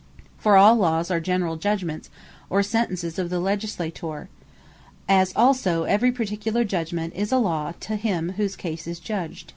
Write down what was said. For all Lawes are generall judgements, or Sentences of the Legislator; as also every particular Judgement, is a Law to him, whose case is Judged.